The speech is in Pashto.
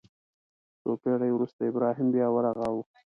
څو پېړۍ وروسته ابراهیم بیا ورغاوه.